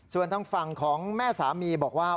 ส่วนทางฝั่งของแม่สามีบอกว่า